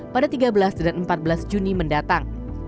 pada tiga belas dan empat belas juni mendatang